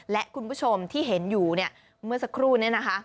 และคุณผู้ชมที่เห็นอยู่เนี่ยเมื่อสักครู่นี้นะคะ